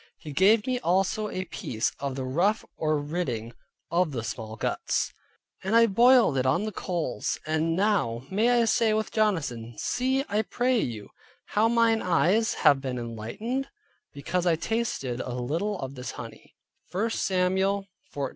He gave me also a piece of the ruff or ridding of the small guts, and I broiled it on the coals; and now may I say with Jonathan, "See, I pray you, how mine eyes have been enlightened, because I tasted a little of this honey" (1 Samuel 14.29).